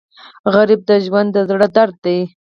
غریب د ژوند د زړه درد دی